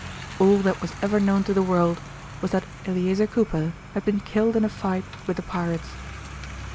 All that was ever known to the world was that Eleazer Cooper had been killed in a fight with the pirates.